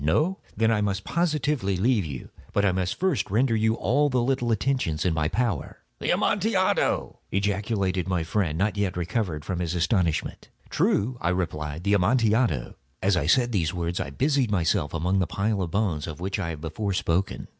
No? Then I must positively leave you. But I must first render you all the little attentions in my power." "The Amontillado!" ejaculated my friend, not yet recovered from his astonishment. "True," I replied; "the Amontillado." As I said these words I busied myself among the pile of bones of which I have before spoken.